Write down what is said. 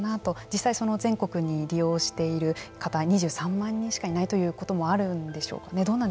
実際、全国に利用している方は２３万人しかいないということもあるんでしょうか。